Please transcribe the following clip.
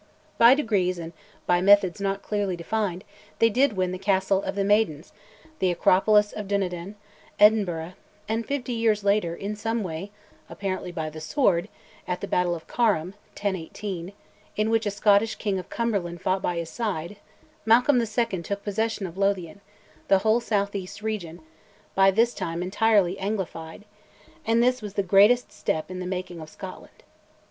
By degrees and by methods not clearly defined they did win the Castle of the Maidens, the acropolis of Dunedin, Edinburgh; and fifty years later, in some way, apparently by the sword, at the battle of Carham (1018), in which a Scottish king of Cumberland fought by his side, Malcolm II. took possession of Lothian, the whole south east region, by this time entirely anglified, and this was the greatest step in the making of Scotland.